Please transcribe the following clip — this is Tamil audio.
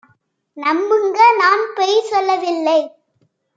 நம்புங்க! நான் பொய் சொல்லவில்லை